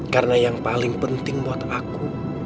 karena yang paling penting adalah untuk kamu